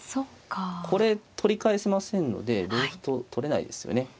これ取り返せませんので同歩と取れないですよね。